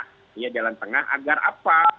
ini adalah jalan tengah agar apa